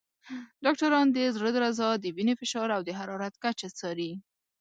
ډاکټران د زړه درزا، د وینې فشار، او د حرارت کچه څاري.